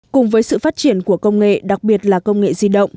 cùng với sự phát triển của công nghệ đặc biệt là công nghệ di động